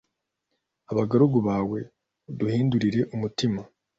Abagaragu bawe uduhindurire umutima